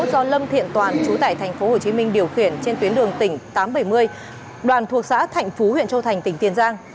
do lâm thiện toàn chú tại tp hcm điều khiển trên tuyến đường tỉnh tám trăm bảy mươi đoàn thuộc xã thạnh phú huyện châu thành tỉnh tiền giang